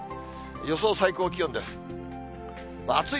予想最高気温です。